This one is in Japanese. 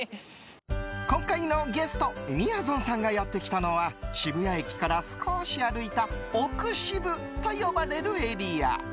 今回のゲストみやぞんさんがやって来たのは渋谷駅から少し歩いた奥渋と呼ばれるエリア。